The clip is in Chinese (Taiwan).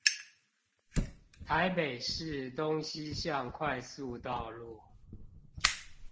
台北市東西向快速道路